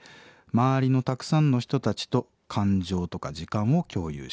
周りのたくさんの人たちと感情とか時間を共有したい。